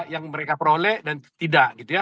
yang mereka peroleh dan tidak